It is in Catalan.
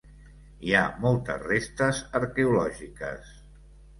Hi ha moltes restes arqueològiques.